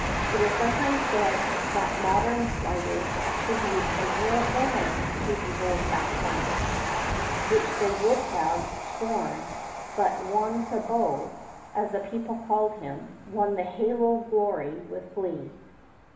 It is sometimes said that modern writers attribute an air of romance to these old pathfinders, which they would have scorned; but "Zuan Cabot," as the people called him, wore the halo of glory with glee.